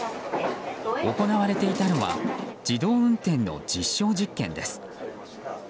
行われていたのは自動運転の実証実験です。